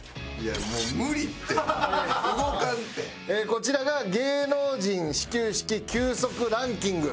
こちらが芸能人始球式球速ランキング。